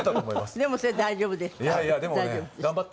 でもそれ大丈夫でした。